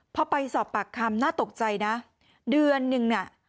พอไปสอบปากคำน่าตกใจนะเดือนนึงเนี่ย